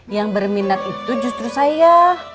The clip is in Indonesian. yang berminat itu justru saya